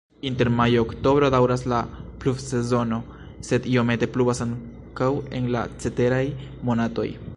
Inter majo-oktobro daŭras la pluvsezono, sed iomete pluvas ankaŭ en la ceteraj monatoj.